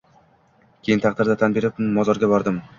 Keyin taqdirga tan berib, mozorga bordim.